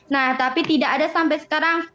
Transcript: nah tapi tidak ada sampai sekarang